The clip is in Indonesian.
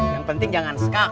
yang penting jangan skak